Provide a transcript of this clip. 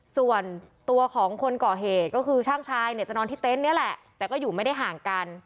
ส่วนตัวของคนก่อเหตุก็คือช่างชายเนี่ยจะนอนที่เต็นต์นี้แหละแต่ก็อยู่ไม่ได้ห่างกัน